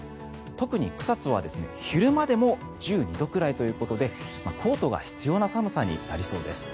特に草津は昼間でも１２度くらいということでコートが必要な寒さになりそうです。